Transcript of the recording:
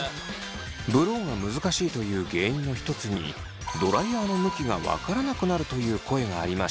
ブローが難しいという原因の一つにドライヤーの向きが分からなくなるという声がありました。